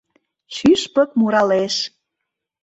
Шӱшпык муралеш.